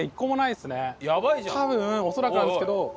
多分恐らくなんですけど。